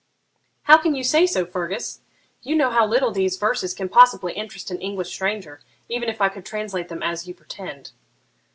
'How can you say so, Fergus? You know how little these verses can possibly interest an English stranger, even if I could translate them as you pretend.'